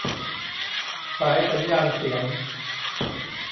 สายสัญญาณเสียง